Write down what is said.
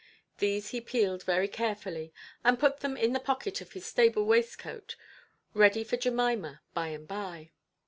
These he peeled very carefully, and put them in the pocket of his stable waistcoat, ready for Jemima by–and–by.